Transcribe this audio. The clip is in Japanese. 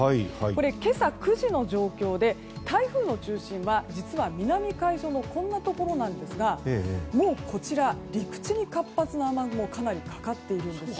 これ、今朝９時の状況で台風の中心は実は南海上のこんなところなんですがもう、こちら陸地に活発な雨雲がかなりかかっている状態です。